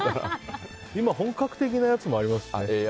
今、本格的なやつもありますよね。